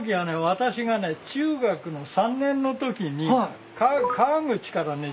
私がね中学の３年のときに川口からね